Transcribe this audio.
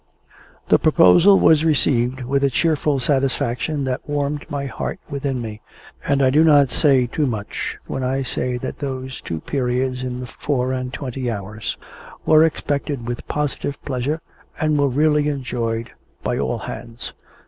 The proposal was received with a cheerful satisfaction that warmed my heart within me; and I do not say too much when I say that those two periods in the four and twenty hours were expected with positive pleasure, and were really enjoyed by all hands.